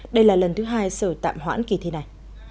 đây là lần thứ hai sở tạm hoãn kỳ thi này